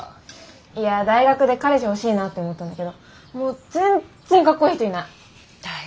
いや大学で彼氏欲しいなって思ったんだけどもう全然かっこいい人いない。